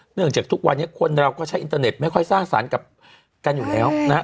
จากทุกวันนี้คนเราก็ใช้อินเทอร์เน็ตไม่ค่อยสร้างสรรค์กับกันอยู่แล้วนะฮะ